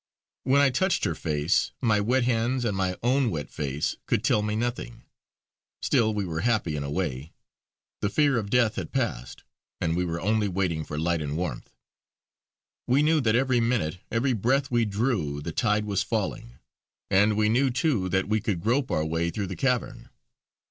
When I touched her face, my wet hands and my own wet face could tell me nothing. Still we were happy in a way. The fear of death had passed, and we were only waiting for light and warmth. We knew that every minute, every breath we drew, the tide was falling; and we knew too that we could grope our way through the cavern.